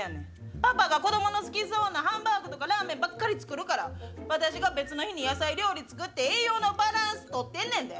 パパが子どもの好きそうなハンバーグとかラーメンばっかり作るから、私が別の日に野菜料理作って、栄養のバランス取ってんねんで。